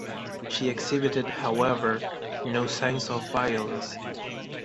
She exhibited, however, no signs of violence.